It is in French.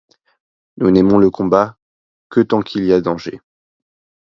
Nous n'aimons le combat que tant qu'il y a danger.